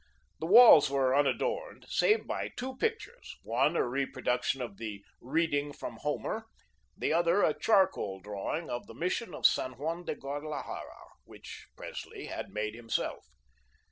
The walls were unadorned, save by two pictures, one a reproduction of the "Reading from Homer," the other a charcoal drawing of the Mission of San Juan de Guadalajara, which Presley had made himself.